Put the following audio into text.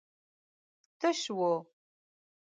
تش و.